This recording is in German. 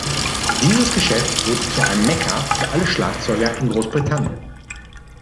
Dieses Geschäft wurde zu einem Mekka für alle Schlagzeuger in Großbritannien.